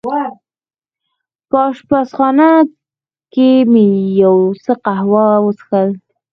په اشپزخانه کې مې یو څه قهوه وڅېښل.